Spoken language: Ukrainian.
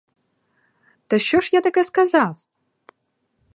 Та що ж я таке сказав?